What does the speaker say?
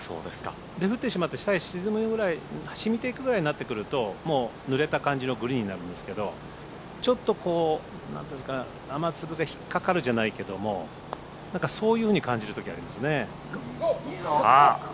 降ってしまって下に染みてくるぐらいになってくるともう濡れた感じのグリーンになるんですけどちょっと雨粒が引っかかるじゃないけどそういうふうに感じる時がありますね。